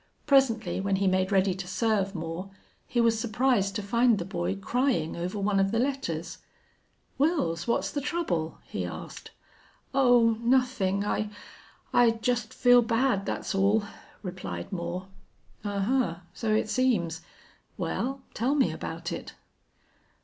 Presently, when he made ready to serve Moore, he was surprised to find the boy crying over one of the letters. "Wils, what's the trouble?" he asked. "Oh, nothing. I I just feel bad, that's all," replied Moore. "Ahuh! So it seems. Well, tell me about it?"